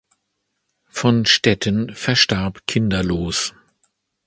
Von Stetten verstarb kinderlos.